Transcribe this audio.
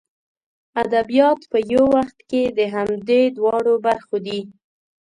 ادبیات په یو وخت کې د همدې دواړو برخو دي.